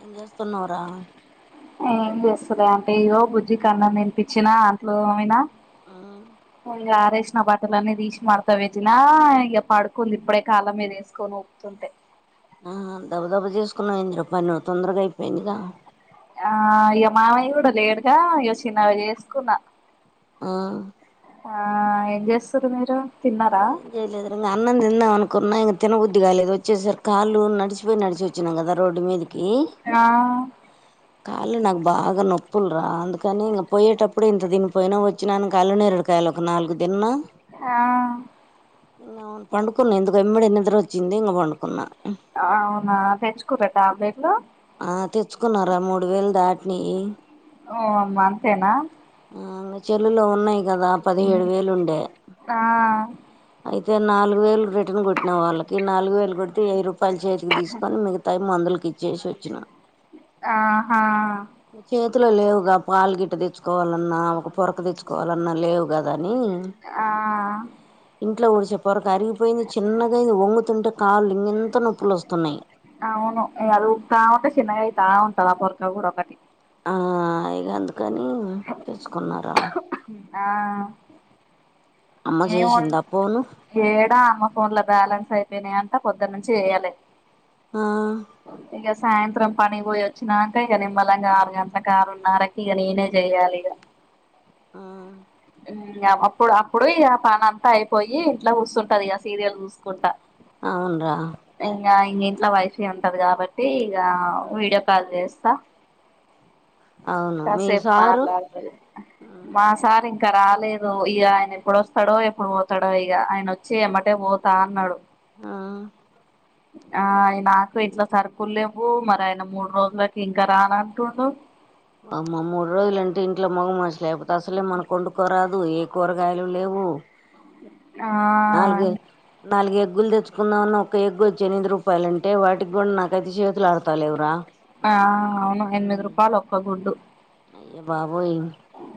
ఏం చేస్తున్నావురా ఏం చేస్తునా అంటే ఇగో బుజ్జికన్నం తినిపించినా అంట్లు తోమిన వంగారైస్ తీసిన బట్టల అన్నీ తీసిమాడతా పెట్టిన ఇగ పడుకుంది ఇప్పుడే కళ్ళమీద వేసుకొని ఊపుతుంటే ఆ దబ్బ దబ్బ చేసుకున్నావు ఏంది పను తొందరగా అయిపోయిందిగ ఆ ఇగ మావయ్య కుడా లేడ్గా ఇగ చిన్నగ చేసుకున్నా ఆ ఆ ఏంచేస్తూరు మీరు తిన్నారా జయలిద్ర అన్నం తిందాం అనుకున్నా తిన బుద్దిగాలేదు వచ్చేసారు కాళ్లు నడిచి పోయినడిచి వచ్చాం కదా రోడ్డు మీది ఆ కాళ్ళ నాకు బాగా నొప్పులురా అందుకని ఇంగ పోయేటప్పు ఇప్పుడు ఇంత తినిపోయినా వచ్చినాక అల్లునేరేడుకాయలు ఒక నాలుగు దిన్న ఆ ఇంగ అవును పండుకున్నా ఇందుకు వెమ్మడి నిద్ర వచ్చింది ఇంగ పండుకున్నా అవునా తెచుకురా ట్యాబ్లెట్లు ఆ తెచ్చుకున్నారా మూడు వేలు దాటి నీ ఓ అమ్మ అంతేనా చెల్లులో ఉన్నాయి కదా పదిహేడు వేలు ఉండే ఆ అయి అ నాలుగు వేలు రిటన్ కొట్టిన వాళ్ళకి నాలుగు వేలు కొడితే వెయ్యి రూప పంచాయితీకి తీసుకొని మిగతాయి మందులకి ఇచ్చేసి వచ్చిన ఆహా చేతిలో లేవుగా పాలు గిట్ట తెచ్చుకోవాలన్నా ఒక పొరకు తెచ్చుకోవాలన్నా లేవు కదా అని ఆ ఇట్లా ఊడిచే పరక అరిగిపోయింది చిన్నగ అయింది వంగుతుంటే కాళ్ళు ఇ అవును అది ఇంగ ఉడుతాఉంటే చిన్నగ అయితా ఉంటది పొరకా కూడా ఒకటి ఆ ఇగ అందుకని తెచ్చుకున్నారా ఆ అమ్మ ఏన్ చేసిందా ఫోను హేడా అమ్మ ఫోన్ల బ్యాలెన్స్ అయితేనే అన్ అ పొద్దున్న నుంచి వేయాలె ఆ ఇగ సాయంత్రం పని పోయి వచ్చినంక ఇగ నిమ్మలంగా ఆరు గంటల కారు న్నర్రకి ఇక నేనే చేయాలి ఇగ ఆ అప్పుడు అప్పుడు ఇయ పని అంతా అయిపోయి ఇంట్లో చూస్తుంటది ఇగ సీరియల్ చూసుకుంటా అవున్రా ఇంగ ఇంట్లో వైఫై ఉంటది కాబట్టి ఇగ వీడియో కాల్ చేస్తా అవును మీ కసేపు సారు మాట్లాడతది మాసారి ఇంక రాలేదు ఇగ ఆయన ఎప్పుడు వస్తాడో ఎప్పుడు పోతాడో ఇగ ఆయన వచ్చి ఎమ్మటే పోతా అన్నాడు ఆ ఆ నాకు ఇంట్లా సరుకులు లేవు మరి ఆయన మూడు రోజులకి ఇంకా రానంటుండు అమ్మ మూడు రోజులుంటే ఇంట్లో మగ మచ్చ లేకపోతే అసలే మన కొండుకోరాదు ఏ కూరగాయలు లేవు ఉ ఆ నాలుగు నాలుగు ముగ్గులు తెచ్చుకుందామన్న ఒక ఎగ్ వచ్చి ఎనిమిది రూపాయలుంటే వాటికి గూడా నాకైతే చేతులు ఆడతాలేవురా ఆ అవును ఎనిమిది ఉమ్ రూపాయలు ఒక్క గుడ్డు అయ్య బాబోయ్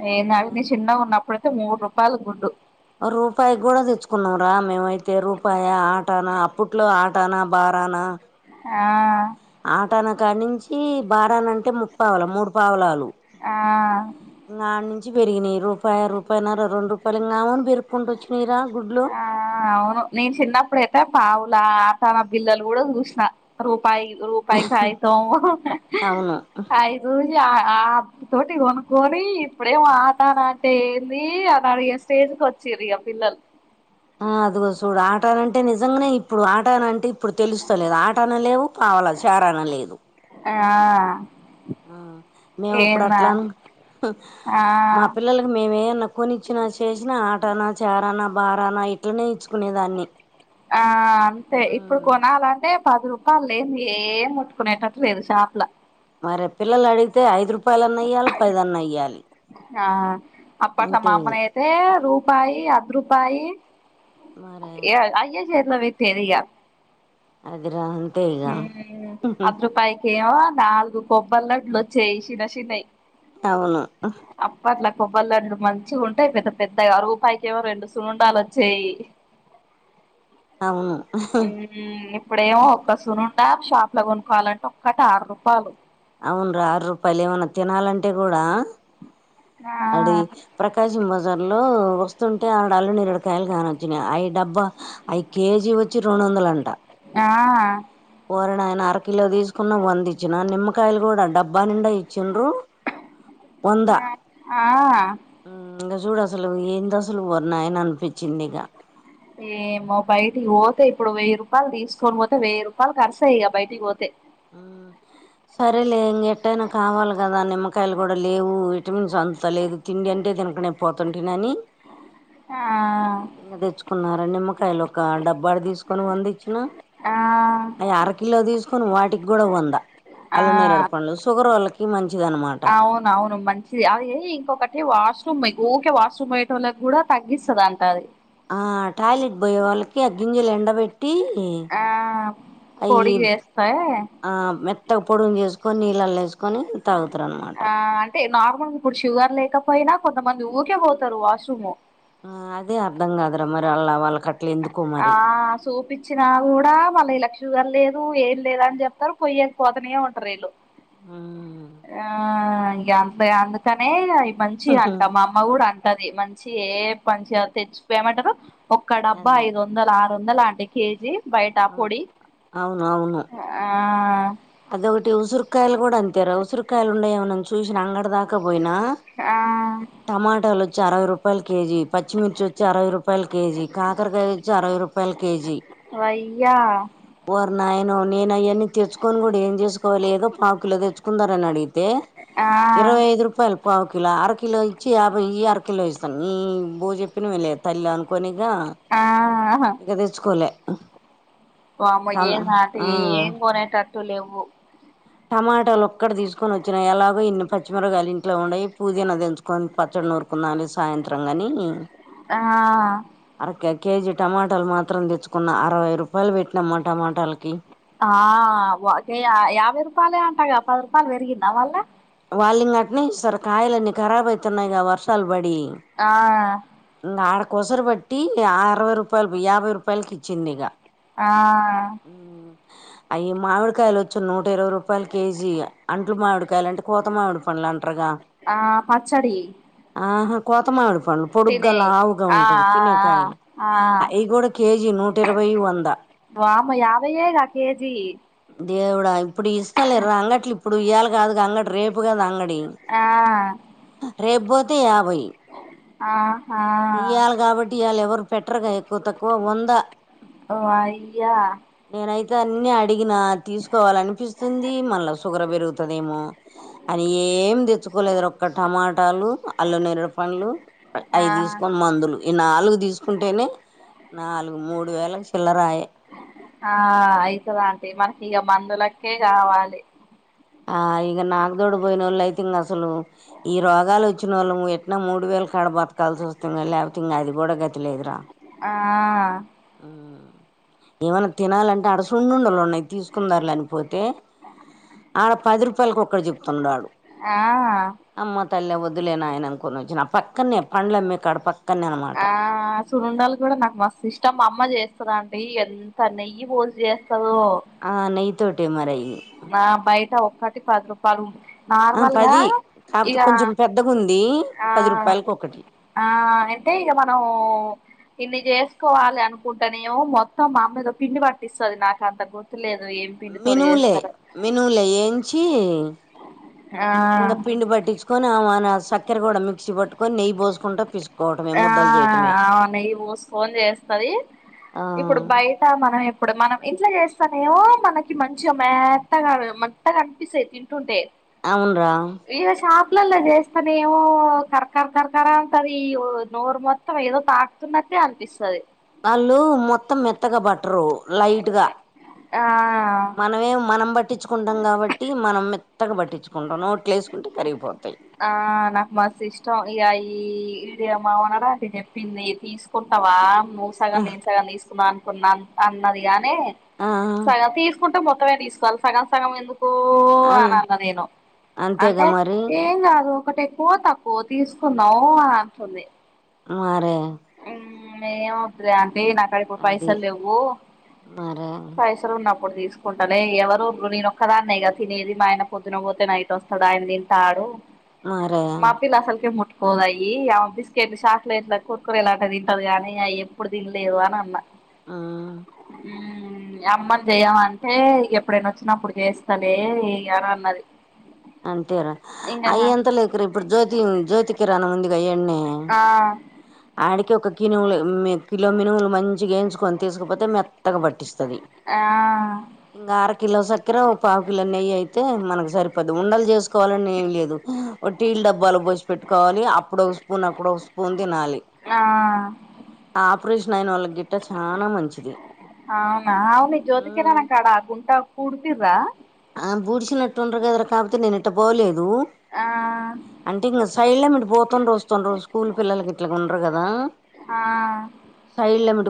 నఏ నావి న చిన్నగా ఉన్నప్పుడు అయితే మూడు రూపాయల గుడ్డు రూపాయి కూడా తెచ్చుకున్నాంరా మేమైతే రూపాయి ఆటనా అప్పట్లో ఆటనా బా పణ ఆ ఆటను కానుంచి బారనం ముప్పవలా మూడు పావలాలు ఆ ఇంగ అట్నీం పెరిగినయి రూపాయ రూపాయిన్నర రెండు రూపాయలు ఇంకామని పెరుపుకుంట వచ్చినయిరా ఆహ్ అవును నేను చిన్నప్పుడైతే ఆ పావు. ఆహ్ తన పిల్లలు కూడా చూసిన రుం. పాయ్ రూపాయ్ కాగితం అవును ఐదు. ఆహ్ అ తోటి కొనుక్కొని ఇప్పుడేం ఆటానా అంటే ఏంది అనే అడిగే స్టేజ్. వచ్చిండ్రు ఇగ పిల్లలు. ఆహ్ అదిగో చూడు ఆటనంటే నిజంగానే ఇప్పుడు ఆటన అంటే ఇప్పుడు తెలుస్తలేదు ఆటనలు లేవు. అవలా చారనా లేదు. ఆహ్. ఆహ్ మేము అప్పుడు అట్లాం ఆహ్ ఆ మా పిల్లలకి మేమే ఉన్నాం. కొనిచ్చిన చేసిన ఆటనా చరానా బారానా ఇట్లనే ఇచ్చుకునే దాన్ని. ఆహ్ అంతే ఇప్పుడు కొనాలంటే. పది రూపాయలు లేనిది ఏం ముట్టుకునేటట్టు లేదు షాపులా. మరే పిల్లలు అడిగితే ఐదు రూపా. ఆహ్ అప్పట్లో అంతే మా ఇగ అమ్మనైతే రూప్. రూపాయి అద్ రూపాయి మరే ఏ అయ్యే చేతిలో పెట్టేది ఇగ. అదిరాం. ఉమ్ అద్ రూపాయికేమో నాలుగు కొబ్బల్డ్లు వచ్చేయి చిన్నచిన్నవి. అవును. కొబ్బరి లడ్డులు మంచిగుంటాయి పెద్ద పెద్దగా రూపాయకేమో రెండు సున్నుండలు వచ్చేయి. అవును ఉమ్ ఇప్పుడేమో ఒక. ఉండాప్ షాప్ లో కొనుక్కోవాలంటే ఒక్కటి ఆరు రూపాయలు. అవునురా ఆరు రూపాయలు ఏమన్నా తినాలంటే కూడా. ఆ అది ప్రకాశం బజార్ లో వస్తుంటే ఆడ అల్ల నేరేడు పళ్ళు. కాయలు కాన వచ్చినయి ఐ డబ్బా ఐ కేజీ వచ్చి రెండు వందల అంట. ఆహ్. కోరిన ఆయన అర కిలో తీసుకున్న వంద ఇచ్చిన నిమ్మకాయలు కూడా డబ్బా నిండా. ఇచ్చిండ్రు వంద. ఆ ఇంకా చూడు అసలు ఏంది అసలు ఓరి నాయన అనిపించింది ఇక. ఏమో బయటికి పోతే ఇప్పుడు వెయ్యి రూపాయలు తీసుకొని పోతే వెయ్యి రూపాయిలు ఖర్చు ఇగ బయటికి పోతే. ఉమ్. సరేలే ఇంక ఎట్టయినా కావాలి కదా నిమ్మకాయలు కూడా లేవు విటమిన్స్ అందుతా లేదు తిండి అంటే. తినుకనే పోతుంటినని. ఆహ్. ఇంకా తెచ్చుకున్నారా నిమ్మకాయలు ఒక డబ్బాడు తీసుకొని వంద ఇచ్చినా. ఆ అవి అరకిలో తీసుకొని వాటికి కూడా వందా అల్ల నేరుడు పండ్లు షుగరోళ్ళకి. అవున అవును మంచిది అది ఇంకొకటి వాష్. ఉమ్ ఊకే వాష్రూమ్ పోయ్యేటోళ్ళుకు కూడా తగ్గిస్తుంది అంట అది. ఆహ్ టాయిలెట్ పోయే వాళ్ళకి ఆ గింజలు ఎండబెట్టి. ఆ పొడి వేస్తే. ఆహ్ మెత్తగా పొడున్ చేసుకొని నీళ్ళలు వేసుకొని తాగుతారు అనమాట. ఆ అంటే నార్మల్గా ఇప్పుడు షుగర్ లేకపోయినా కొంతమంది ఊకే పోతారు వాష్రూమ్. ఆహ్ అదే అర్థం కాదురా మరి అళ్లా వాళ్ళకట్టు. ఆహ్ చూపిచ్చినా కూడా మళ్ళి లక్ష్. షుగర్ లేదు ఏం లేదు అని చెప్తారు పోయ్యేదిపోతనే ఉంటారు వీళ్ళు. ఉమ్. ఆ ఇంకా అంత అందుకనే అవి మంచి అంటాం మా అమ్మ కూడా అన్ టది మంచి ఏ మంచిగా తెచ్చిపోయమంటారు ఒక్క డబ్బా అదే ఐదు వందలు ఆరు వందలా ఆంటీ కేజీ బయట పొడి ఆ అది ఒకటి ఉసురుకాయాల కూడా అంతేరా ఉసిరికాయలు ఉండ ఎమోనని చూసిన అంగడ దాకపోయినా ఆ టమాటాలు అరవై రూపాయలు కేజీ పచ్చిమిర్చి వచ్చి అరవై రూపాయలు కేజీ కాకరకాయ వచ్చి అరవై రూపాయలు కేజీ యా ఓరినయనో నేను అయన్ని తెచ్చుకొని కూడ ఎం చేసుకోవాలి ఏదో పాకు లో తెచ్చుకుందారు అని అడిగితే ఆ ఇరవై ఐదు రూపాయలు పావు కిలో అర కిలో ఇచ్చి యాభై ఈ అర కిలో ఇస్తాం ఈ బో చెప్పినవు లే తల్లి అనుకోని ఇగ ఆ ఇగ తెచ్చుకోలే వామ్మో టమా ఏం నాటు ఆ ఏం కొనేటట్టు లెవ్వు టమాటాలు ఒక్కడ తీసుకొని వచ్చినా ఎలాగో ఇన్ని పచ్చిమిరగాయలు ఇంట్లో ఉండయి పుదీనా తెంచుకొని పచ్చడి నూరుకుందాలి సాయంత్రం గని ఆ ఇంక కేజీ టమాటాలు మాత్రం తెచ్చుకున్న అరవై రూపాయలు పెట్టినామ్మా టమాటాలకి ఆ ఒకకే యాభై రూపాయలే అంటాగా పది రూపాయలు పెరిగింద మల్ల వాళ్ళింగ అట్నే ఇస్తారు కాయలున్ని కరాబ్ అయితున్నాయి వర్షాలు పడి ఆ కొసరుబట్టి అరవై రూపాయలు యాభై రూపాయలకి ఇచ్చింది ఇగ ఆ అయ్య మామిడికాయలు వచ్చు నూట ఇరవై రూపాయలు కేజీ అంట్లు మామిడికాయ కోత మామిడి పండ్లు అంటరు కదా ఆ పచ్చడి ఆహా ముత్త మామిడి పండ్లు పొడుగగా తినే లావుగా ఆ ఆ ఉంటాయి తినేకాయలు ఆ ఆ అవి కూడా కేజీ నూట ఇరవై వంద వామో యాభై ఎగ కేజీ దేవుడా ఇప్పుడు ఇస్తలే రా అంగట్లు ఇప్పుడు ఇయ్యాలి కాదు అంగడి రేపు కదా అంగడి ఆ రేపుపోతే యాభై ఆహా ఇయ్యాలి కాబట్టి ఇయళ ఎవరు ఎక్కువ తక్కువ వంద వయ్యా నేనయితే అన్ని అడిగినా తీసుకోవాల అనిపిస్తుంది మల్ల షుగర్ పెరుగుతదేమో అని ఏం తెచ్చుకోలేదురా ఒక్క టమాటాలు అల్లు నేరడు పండ్లు ఆ అయి తీసుకొని మందులు ఈ నాలుగు తీసుకుంటేనే నాలుగు మూడ్ ఆ అయితే రా మనకి ఇగ మందులకే కావాలి ఆ ఇగ నాగదోడు పోయినోళ్ళు అయితే ఇంగ అసలు ఈ రోగాలు వచ్చినోళ్ళము ఎట్నా మూడు వేలు కాడ బతకాల్సి వాస్తు లేకపోతే ఇంగ అది కూడా గతి లేదురా ఆ ఏమనా తినాలం ఆడ సున్నుండలు ఉన్నాయి తీసుకుందారు లనిపోతే ఆడ పది రూపాయలకుక్కడు చెప్తున్నాడు ఆ తల్ వద్దులేనాయన అనుకొని వచ్చిన ఆ పక్కనే పండ్లు అమ్మే కాడ పక్ ఆ సునుడాలు కూడా నాకు మస్తు ఇష్టం మా అమ్మ చేస్త చేస్తండి ఎంత నెయ్యి పోసి చేస్తాదో ఆ నెయ్యి తోటే మరై నా బయట ఒక్కటి పది రూపాయలు ఉ ఆ నార్మల్గా పది కాకపోతే ఇగా కొంచెం పెద్దగా ఉంది ఆ పది రూపాయలకి ఒకటి ఆ అయితే ఇక మనం ఇన్ని చేసుకోవాలి అనుకుంటేనేమో మొత్తం మా అమీద పిండి పట్టిస్తుంది నాకు అంత గుర్తులేదు ఏం పిండి తొడి చేస్త మినుములు అయి ఏంచి ఆ ఇంకా పిండి పట్టించుకొని ఆ మన సక్కెర కూడా మిక్సీ పట్టుకొని నెయ్యి పోసుకుంటా పిసు ఆ అవు నెయ్యి పోసుకుని చేస్తది ఆ ఇప్పుడు బయట మనం ఇప్పుడు మనం ఇంట్లో చేస్త నేమో మనకి మంచిగా మెత్తగా మత్తగా కనిపిస్తే తింటుంటే అవును రా వేరే షాప్ ఇట్లల్లో చేస్తానే ఏమో కర్కర్ కర్కరా అంటది ఈ నోరు మొత్తం ఏదో తాకుతున్న అనిపిస్తది వాళ్ళు మొత్తం మెత్తగా పాటి ర్రు లైట్ ఆ మనమే మనం బట్టి పట్టించుకుంటాం కాబట్టి మనం మెత్తగా పట్టించుకుంటాం నోట్లో వేసుకుంటే కరిగిపోతాయి ఆ నాకు మస్ ఇష్టం ఇగా ఇయి ఇ అమ్ అనడా అది చెప్పింది తీసుకుంటావా నువ్వు సగం నేను సగం తీసుకున్నా అన్నది గాని ఆ సగం తీసుకుంటే మొత్తమే తీసుకోవాలి సగం సగం ఎందుకు అను అని అన్న నేను అంటే ఏం కాదు ఒకటి ఎక్కువ తక్కువ తీసుకున్నావు అని అంటుంది మరే ఏమవుతుంది అంటీ నాకుడ ఇప్పుడు అది పైసలు లేవు మరే ఇప్పుడు తీసుకుంటనే ఎవరు ఇప్పుడు ఒక్కదానే గా తినేది మా ఆయన పొద్దున పోతే నైట్ వస్తంది ఆయన దీని తాడు మరే మాపిల్ అస్సలాకే పోదయి అమ బిస్కెట్లు చాక్లెట్ల కుర్కురు ఇలా తింటదు గానీ అవి ఎప్పుడు తినలేదు అని అన్నా ఆ అప్పాలు చెయమంటే ఎప్పుడైనా వచ్చినా అప్పుడు చేస్తలే అని అన్నది అంటేరా ఇంగ అయ ఎంత లే ఇక్కర ఇప్పుడు జ్యోతి జ్యోతికిిరాణం ఉందిగా ఇనెయ్ ఆ అడికి ఒక కినువులు కిలో మనువులు మంచిగా యించుకొని తీసుకపోతే మ మెత్తగా పట్టిస్తది ఆ ఇంకా అర కిలో సక్కెర ఒక పావు కిలో నెయ్యి అయితే మనకు సరిపో ఉండలు చేసుకోవాలని ఏం లేదు టీలు డబ్బాలు పో పెట్టుకోవాలి అప్పుడో స్పూన్ అప్పుడో స్పూన్ తినాలి ఆ ఆపరేషన్ అయినా వాళ్లకి తింటే చాల మంచిది అవునా అవును జ్యోతి కిరాణం కాడ గుంట పూడ్తిర్రా ఆ బడిన నటుండ అద కాపుత నినుట్ట పోలేదు ఆ అంటే ఇంకా సైడ్ల మట్పో పోతురు వస్తుర్రు జు స్కూల్ పిల్లకి ఇట్లా ఉండరు కదా ఆ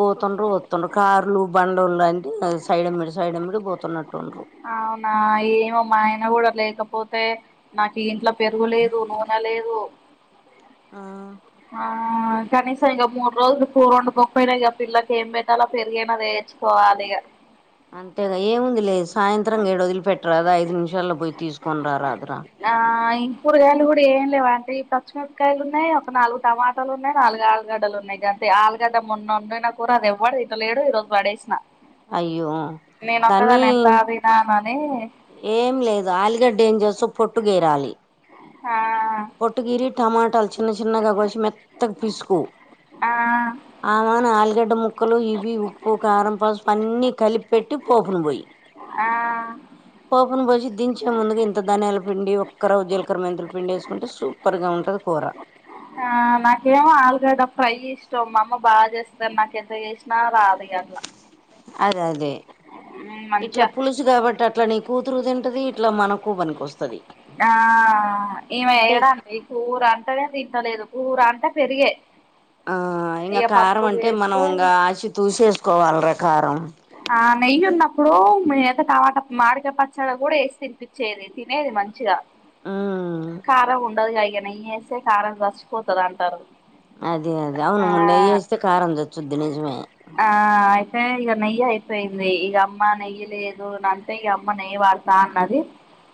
పోతుండ్ర వస్తుండ కార్లు బండ్లు అంటే సైడ మీడి సైడమిడి పోతున్నట్టుండుర్రు అవునా ఏమో మా ఆయన కూడా లేకపోతే నాకు ఇంట్లో పెరుగులేదు నూనె లేదు అ ఆ ఆ కనీసం ఇంక మూడు రోజులు కూర్ ఉండకోకపోయినా ఇక పిల్లలకు ఏం పెట్టలో పెరిగనదే తెచ్చుకోవాలి ఇగా అంతేగా ఏముంది లేదు సాయంత్రం ఏడు వదిలి పెట్టరాదా ఐదు నిమిషాల్లో పోయి తీసుకొని రారా ఆ కూరగాయలు కూడా ఏం లేవా అంటే ఈ పచ్చిమిరపకాయలు ఉన్నాయి ఒక నాలుగు టమాటాలు ఉన్నాయి నాలుగు ఆలుగడ్డలు ఉన్నాయి కాగానీ అల్లుకాడ కూర మొన్నొన్నయి కూర అది ఎవ్వడు ఇట్ లేడు ఈ రోజు పడేసిన అయ్యో దాన్ని నేనొక్కదాని ఎంత తిన్నా అన్ని ఏం లేదు అల్లుగాడా ఏం జెస్తావ్ పొట్టు గేరాలి ఆ పోటీగిరి టమాట చిన్న చిన్నగా కోచ్చి మెత్తకు పిసుకో ఆ ఆమాను ఆలుగడ్డ ము ముక్కలు ఇవి ఉప్పు కారం పసుపు అన్నీ కలిపిపెట్టి పోపును పోయి ఆ పోపున్ పోసిన దింజేముందు ముందుగా ఇంత ధాన్యాల పిండి ఒక్క రవ జీలకర్ర మెంతులు పిండి వేసుకుంటే సూపర్ గా ఉంటుంది కూర ఆ నాకేమో ఆలుగడ్డ ఫ్రై ఇష్టమ్ మా అమ్మ బాగా చేస్తారు నాకు ఎంత చేసినా రాదు గంల అదే అదే ఇట్లా పులుసు కాబట్టి అట్లా నీకు కూతురు తింటుది ఇట్లా మనకు పనికి వస్తది ఆ ఈమె అంటే ఏడండి కూర అంటేనే తింటలేదు కూర అంటే పెరిగే ఆ ఇంకా ఇక కారం పప్పు అంటే మనం చేస్తే ఇంకా ఆచి తూసేసుకోవాలరా కారం ఆ నెయ్యి ఉన్నప్పుడు మేమైతే టమాట మాడిక పచ్చడి కూడా వేసి తినిపించేది తినేది మంచిగా ఉమ్ కారం ఉండదుగా ఇక నెయ్య వేస్తే కారం చచ్చిపోతుంది అంటారు అదే అదే ఆ అవును నెయ్యి వేస్తే కారం చచ్చిద్ది నిజమే ఆ అయితే ఇక నెయ్యి అయిపోయింది ఇక అమ్మ నెయ్యి లేదు అని అంటే ఇక అమ్మ నెయ్యి వాడతా అన్నది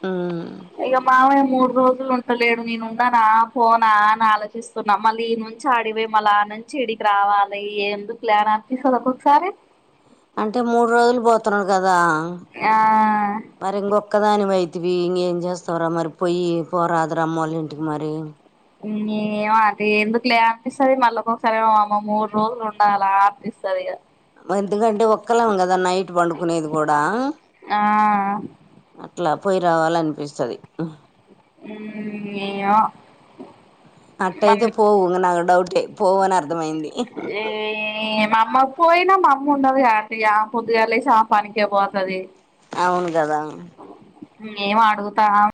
ఉమ్ ఇక మావయ్య మూడు రోజులు ఉంటలేడు నేను ఉన్నానా పోనా అని ఆలోచిస్తున్నా మళ్ళీ ఈ నుంచి ఆడిపోయి మళ్ళీ ఆ నుంచి ఏడకి రావాలి ఎందుకులే అనిపిస్తది ఒక్కొక్కసారి అంటే మూడు రోజులు పోతున్నాడు కదా ఆ మరీ ఒక్కదానివైతివి చేస్తావారా మరి పొయ్యి పోరాద అమ్మోలు ఇంటికి మరి ఏమ అదే ఎందుకు లే అనిపిస్తుది మళ్ళీ ఒకొసారి ఏమో అమ్మ మూడు రోజులు ఉండల అనిపిస్తది ఎందుకంటే ఒక్కళం కదా నైట్ పండుకునేది కూడా ఆ అట్లా పోయి రావాల అనిపిస్తది ఉమ్ ఏమో అట్టయితే పోవు ఇంగ నాకు డౌటే పోవు అని అర్థమైంది ఏ మమా పోయినా మా అమ్మ ఉండది అ పొద్దుగాలేసి ఆ పనికి పోతుది అవును కదా ఏం అడుగుతా